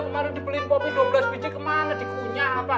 kemarin dibeliin dua belas biji kemana dikunyah